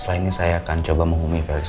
setelah ini saya akan coba menghubungi felix